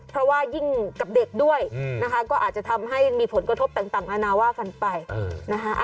เพราะว่ายิ่งกับเด็กด้วยนะคะก็อาจจะทำให้มีผลกระทบต่างอาณาว่ากันไปนะคะ